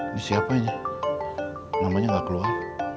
ini siapa ini namanya nggak keluar